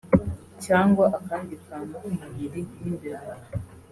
cyangwa akandi kantu ku mubiri n’imbeba